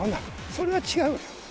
それは違うよ。